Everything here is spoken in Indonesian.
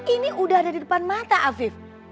ini udah ada di depan mata afif